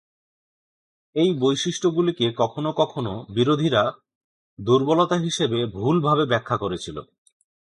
এই বৈশিষ্ট্যগুলিকে কখনও কখনও বিরোধীরা দুর্বলতা হিসাবে ভুলভাবে ব্যাখ্যা করেছিল।